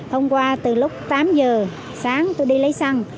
hôm qua từ lúc tám giờ sáng tôi đi lấy xăng